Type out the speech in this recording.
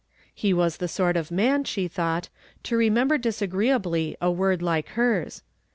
He was the sort of man, she thought, to remem ber disagreeably a word like hei s.